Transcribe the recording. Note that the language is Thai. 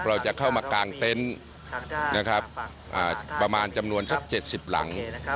เราจะเข้ามากางเต็นต์ประมาณจำนวนสัก๗๐หลัง